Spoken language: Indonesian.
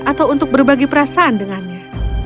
atau untuk berbagi perasaan dengannya